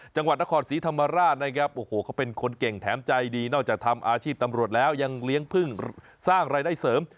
จังหวัดนครศรีธรรมราชนะครับโอ้โหเขาเป็นคนเก่งแถมใจดีนอกจากทำอาชีพตำรวจแล้วยังเลี้ยงพึ่งสร้างรายได้เสริม